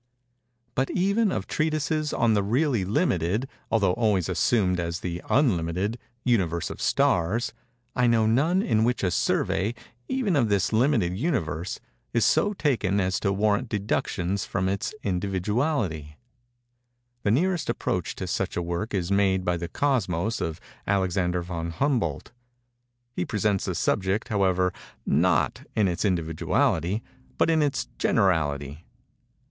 But even of treatises on the really limited, although always assumed as the _un_limited, Universe of stars, I know none in which a survey, even of this limited Universe, is so taken as to warrant deductions from its individuality. The nearest approach to such a work is made in the "Cosmos" of Alexander Von Humboldt. He presents the subject, however, not in its individuality but in its generality.